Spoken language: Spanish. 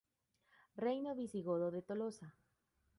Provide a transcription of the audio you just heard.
Reino visigodo de Tolosa